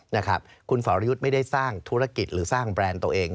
นะครับคุณสอรยุทธ์ไม่ได้สร้างธุรกิจหรือสร้างแบรนด์ตัวเอง